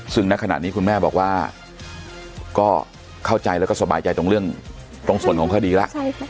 ซึ่งณขณะนี้คุณแม่บอกว่าก็เข้าใจแล้วก็สบายใจตรงเรื่องตรงส่วนของคดีแล้ว